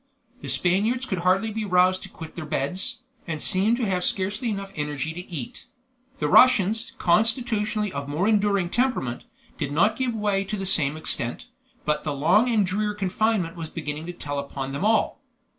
The Spaniards could hardly be roused to quit their beds, and seemed to have scarcely energy enough to eat. The Russians, constitutionally of more enduring temperament, did not give way to the same extent, but the long and drear confinement was beginning to tell upon them all.